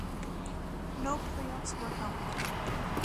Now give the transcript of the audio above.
No playoffs were held.